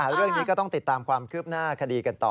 เรื่องนี้ก็ต้องติดตามความคืบหน้าคดีกันต่อ